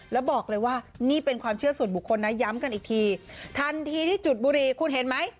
แล้วบอกเลยว่านี่เป็นความเชื่อส่วนบุคคลนะย้ำกันอีกทีทันทีที่จุดบุรีคุณเห็นไหม